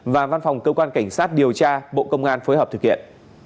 và văn phòng cơ quan cảnh sát điều tra bộ công an phối hợp thực hiện